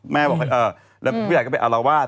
แม่บอกว่าแล้วพี่หายก็ไปอารวาส